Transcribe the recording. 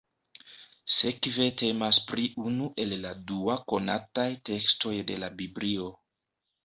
Sekve temas pri unu el la dua-kanonaj tekstoj de la Biblio.